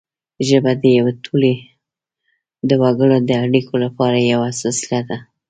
ژبه د یوې ټولنې د وګړو د اړیکو لپاره یوه وسیله ده